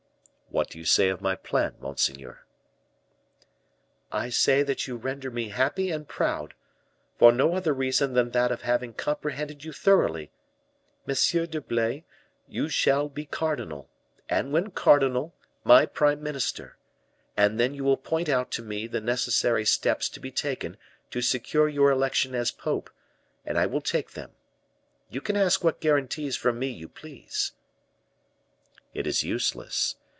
What do you say of my plan, monseigneur?" "I say that you render me happy and proud, for no other reason than that of having comprehended you thoroughly. Monsieur d'Herblay, you shall be cardinal, and when cardinal, my prime minister; and then you will point out to me the necessary steps to be taken to secure your election as pope, and I will take them. You can ask what guarantees from me you please." "It is useless.